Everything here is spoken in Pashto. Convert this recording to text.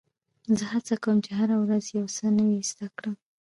زه هڅه کوم، چي هره ورځ یو څه نوی زده کړم.